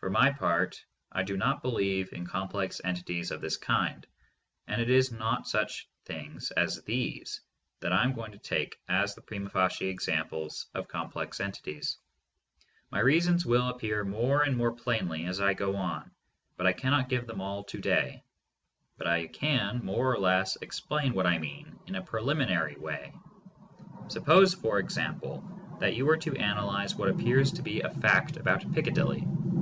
For my part, I do not believe in complex entities of this kind, and it is not such things as these that I am going to take as the prima facie examples of complex entities. My reasons will appear more and more plainly as I go on. I cannot give them all to day, but I can more or less explain what I mean in a preliminary way. Suppose, for example, that you were to analyze what appears to be a fact about Piccadilly.